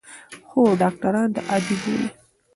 خو ډاکټران دا عادي بولي.